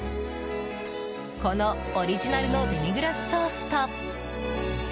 このオリジナルのデミグラスソースと。